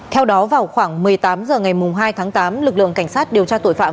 theo đó vào khoảng một mươi tám h ngày hai tháng tám lực lượng cảnh sát điều tra tội phạm